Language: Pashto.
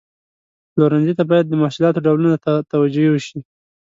پلورنځي ته باید د محصولاتو ډولونو ته توجه وشي.